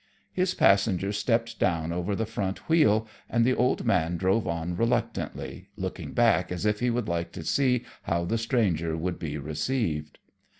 His passenger stepped down over the front wheel, and the old man drove on reluctantly, looking back as if he would like to see how the stranger would be received.